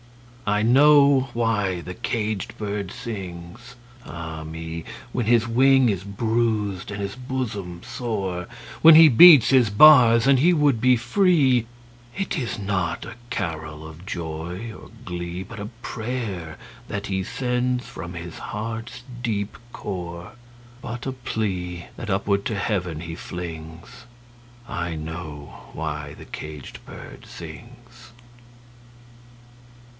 I know why the caged bird sings, ah me, When his wing is bruised and his bosom sore, When he beats his bars and he would be free; It is not a carol of joy or glee, But a prayer that he sends from his heart's deep core, But a plea, that upward to Heaven he flings I know why the caged bird sings!